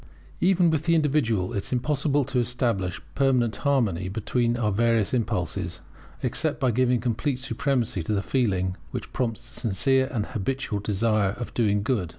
Even with the individual, it is impossible to establish permanent harmony between our various impulses, except by giving complete supremacy to the feeling which prompts the sincere and habitual desire of doing good.